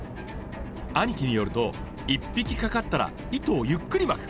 兄貴によると１匹掛かったら糸をゆっくり巻く！